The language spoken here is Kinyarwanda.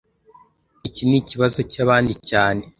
Iki nikibazo cyabandi cyane